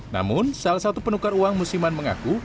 namun salah satu penukar uang musiman mengaku